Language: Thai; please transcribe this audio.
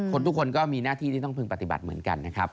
ทุกคนก็มีหน้าที่ที่ต้องพึงปฏิบัติเหมือนกันนะครับ